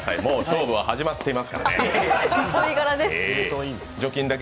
もう勝負は始まってますから。